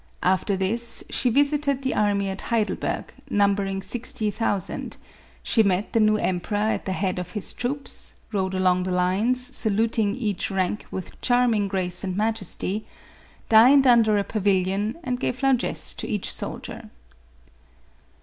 After this, she visited the army at Heidelberg, numbering sixty thousand ; she met the new emperor at the head of his troops, rode along the lines, saluting each rank with charming grace and majesty, dinetl under a pavilion, and gave largess to each soldier.